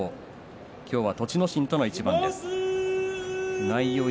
今日は栃ノ心との一番です。